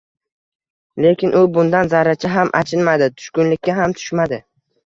Lekin u bundan zarracha ham achinmadi, tushkunlikka ham tushmadi